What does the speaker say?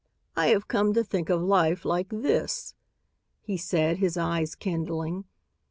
"I have come to think of life like this," he said, his eyes kindling.